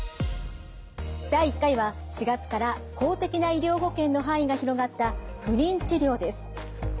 第１回は４月から公的な医療保険の範囲が広がった不妊治療です。